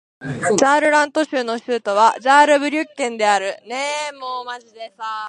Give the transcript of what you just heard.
ザールラント州の州都はザールブリュッケンである